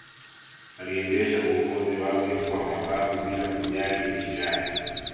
aliendesha uongozi wake kwa mabavu bila kujali nchi yake